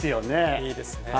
いいですね。